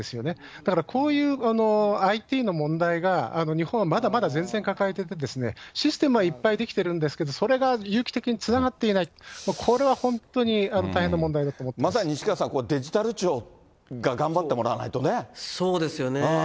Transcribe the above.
だからこういうＩＴの問題が日本はまだまだ全然抱えてて、システムはいっぱい出来てるんですけれども、それが有機的につながっていない、これは本当に大変な問題だと思っまさに西川さん、デジタル庁そうですよね。